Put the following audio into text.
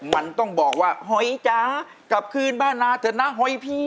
มันต้องบอกว่าหอยจ๋ากลับคืนบ้านนาเถอะนะหอยพี่